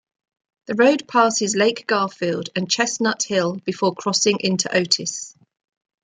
The road passes Lake Garfield and Chestnut Hill before crossing into Otis.